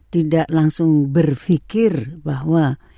tidak langsung berfikir bahwa